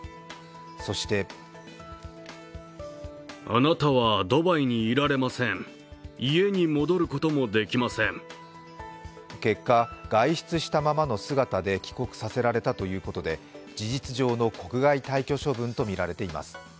そして結果、外出したままの姿で帰国させられたということで事実上の国外退去処分とみられています。